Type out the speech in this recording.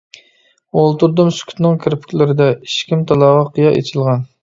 ئولتۇردۇم سۈكۈتنىڭ كىرپىكلىرىدە، ئىشىكىم تالاغا قىيا ئېچىلغان.